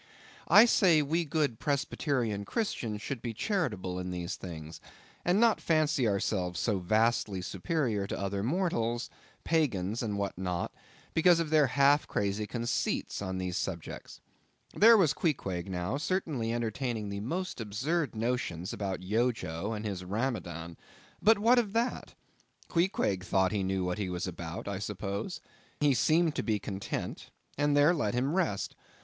I say, we good Presbyterian Christians should be charitable in these things, and not fancy ourselves so vastly superior to other mortals, pagans and what not, because of their half crazy conceits on these subjects. There was Queequeg, now, certainly entertaining the most absurd notions about Yojo and his Ramadan;—but what of that? Queequeg thought he knew what he was about, I suppose; he seemed to be content; and there let him rest.